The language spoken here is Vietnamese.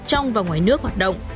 trong và ngoài nước hoạt động